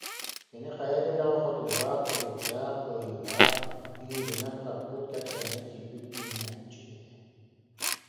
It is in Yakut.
Кини хайа да үлэҕэ хотуулаах, тулуурдаах, кыайыылаах, иҥииринэн хаппыт, кэпсээҥҥэ киирбит мунньааччы этэ